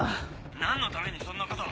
何のためにそんなことを？